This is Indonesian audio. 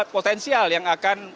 potensial yang akan